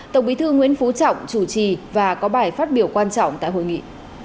tổng bí thư nguyễn phú trọng chủ trì và có bài phát biểu quan trọng tại hội nghị